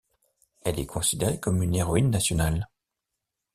Elle est considérée comme une héroïne nationale.